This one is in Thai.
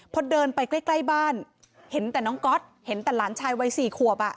พอเดินไปใกล้บ้านเห็นแต่น้องก๊อตเห็นแต่หลานชายวัย๔ขวบ